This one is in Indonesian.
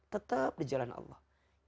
tetap di jalan allah